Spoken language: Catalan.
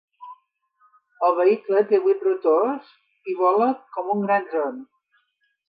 El vehicle té vuit rotors i vola com un gran dron.